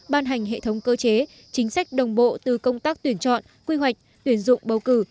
ban hành hệ thống cơ chế chính sách đồng bộ từ công tác tuyển chọn quy hoạch tuyển dụng bầu cử